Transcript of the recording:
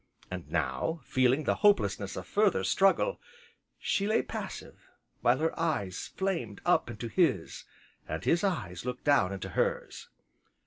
And now, feeling the hopelessness of further struggle, she lay passive, while her eyes flamed up into his, and his eyes looked down into hers.